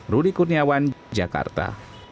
rudy kurniawan jakarta